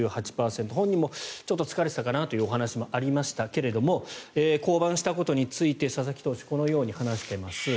本人もちょっと疲れてたなというお話もありましたが降板したことについて佐々木投手はこのように話しています。